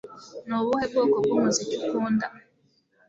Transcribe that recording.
Ni ubuhe bwoko bwumuziki ukunda